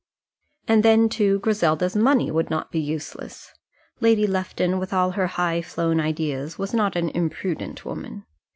And then, too, Griselda's money would not be useless. Lady Lufton, with all her high flown ideas, was not an imprudent woman.